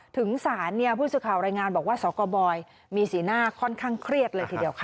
ถึงศาลผู้สื่อข่าวรายงานบอกว่าสกบอยมีสีหน้าค่อนข้างเครียดเลยทีเดียวค่ะ